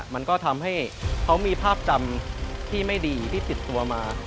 มันก็ทำให้เขามีภาพจำที่ไม่ดีที่ติดตัวมา